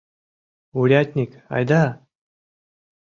Урядник, айда!